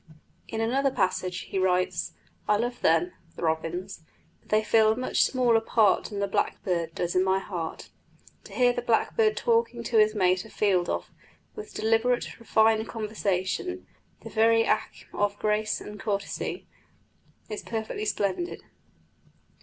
In another passage he writes: "I love them (the robins), but they fill a much smaller part than the blackbird does in my heart. To hear the blackbird talking to his mate a field off, with deliberate, refined conversation, the very acme of grace and courtesy, is perfectly splendid."